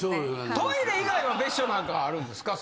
トイレ以外は別所何かあるんですか？